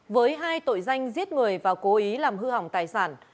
với hai tội danh giết người và cố ý làm hư hỏng tài sản